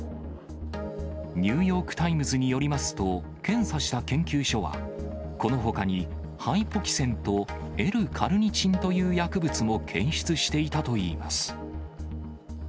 ニューヨークタイムズによりますと、検査した研究所は、このほかに、ハイポキセンとＬーカルニチンという薬物も検出していたといいます。